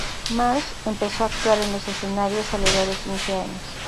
Marsh empezó a actuar en los escenarios a la edad de quince años.